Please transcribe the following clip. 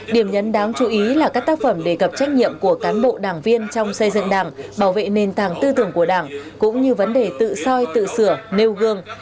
điểm nhấn đáng chú ý là các tác phẩm đề cập trách nhiệm của cán bộ đảng viên trong xây dựng đảng bảo vệ nền tảng tư tưởng của đảng cũng như vấn đề tự soi tự sửa nêu gương